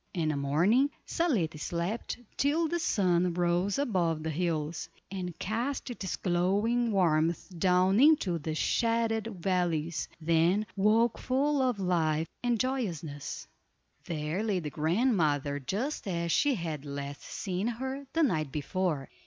In the morning, Zaletta slept till the sun rose above the hills, and cast its glowing warmth down into the shaded valleys, then woke full of life and joyousness. There lay the grandmother just as she had last seen her the night before.